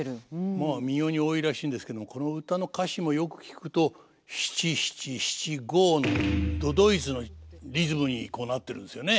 まあ民謡に多いんらしいんですけどもこの唄の歌詞もよく聴くと七・七・七・五の都々逸のリズムになってるんですよね。